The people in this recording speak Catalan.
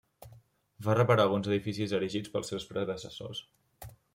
Va reparar alguns edificis erigits pels seus predecessors.